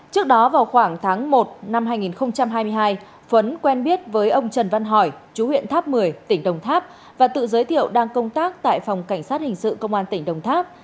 trước đó vào khoảng tháng một năm hai nghìn hai mươi hai phấn quen biết với ông trần văn hỏi chú huyện tháp một mươi tỉnh đồng tháp và tự giới thiệu đang công tác tại phòng cảnh sát hình sự công an tỉnh đồng tháp